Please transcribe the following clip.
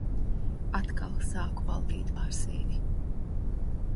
Atkal sāku valdīt pār sevi.